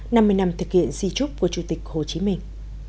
năm mươi năm thực hiện di trúc của chủ tịch hồ chí minh